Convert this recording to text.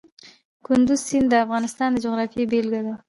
کندز سیند د افغانستان د جغرافیې بېلګه ده.